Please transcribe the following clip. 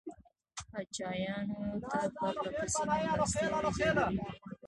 پاچایانو ته پرله پسې مېلمستیاوې ضروري وې.